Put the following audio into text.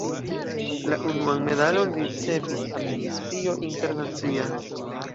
La unuan medalon ricevis Amnestio Internacia.